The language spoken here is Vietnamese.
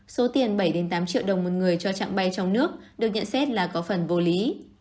số tiền bảy tám triệu đồng một người cho trạng bay trong nước được nhận xét là có phần vô lý